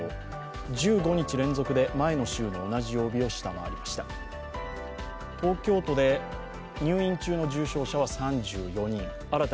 １５日連続で前の週の同じ曜日を下回りました。